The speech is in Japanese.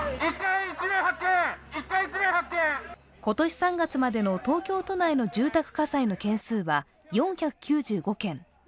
今年３月までの東京都内の住宅火災の件数は４９５件。